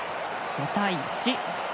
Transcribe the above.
５対１。